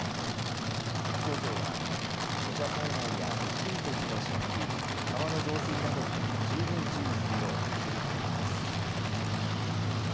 気象庁は土砂災害や低い土地の浸水川の増水などに十分注意するよう呼びかけています。